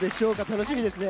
楽しみですね。